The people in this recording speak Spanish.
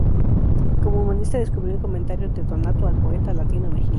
Como humanista descubrió el "Comentario" de Donato al poeta latino Virgilio.